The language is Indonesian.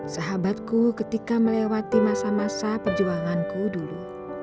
sahabatku ketika melewati masa masa perjuanganku dulu